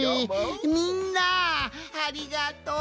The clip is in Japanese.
みんなありがとう！